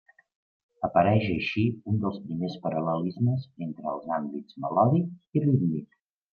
Apareix així un dels primers paral·lelismes entre els àmbits melòdic i rítmic.